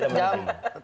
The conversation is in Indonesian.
karena zaman sekarang